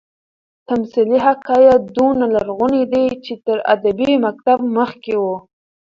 تمثيلي حکایت دونه لرغونى دئ، چي تر ادبي مکتب مخکي وو.